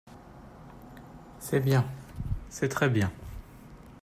C’est bien… c’est très bien.